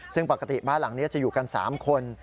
ซึ่งปกติบ้านหลังนี้จะอยู่กัน๓คน